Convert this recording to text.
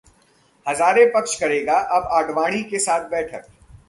हज़ारे पक्ष करेगा अब आडवाणी के साथ बैठक